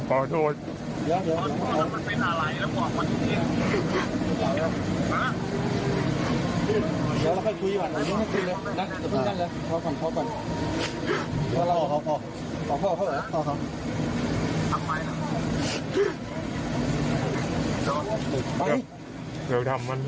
ขอโทษมันเป็นอะไรแล้วบอกมันอย่างนี้